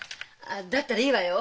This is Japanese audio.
だったらいいわよ。